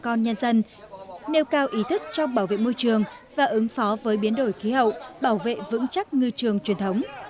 bà con nhân dân nêu cao ý thức trong bảo vệ môi trường và ứng phó với biến đổi khí hậu bảo vệ vững chắc ngư trường truyền thống